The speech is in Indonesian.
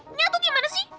ih nyatu gimana sih